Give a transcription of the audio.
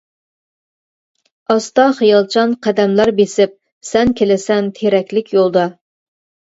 ئاستا خىيالچان قەدەملەر بېسىپ سەن كېلىسەن تېرەكلىك يولدا.